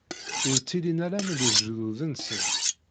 Ur ttilin ara am lejdud-nsen.